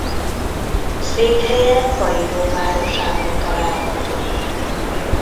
Székhelye Kairó városában található.